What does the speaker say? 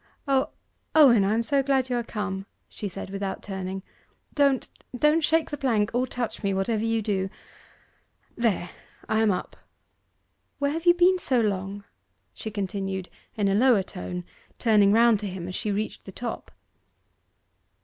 'O, Owen, I am so glad you are come!' she said without turning. 'Don't, don't shake the plank or touch me, whatever you do.... There, I am up. Where have you been so long?' she continued, in a lower tone, turning round to him as she reached the top.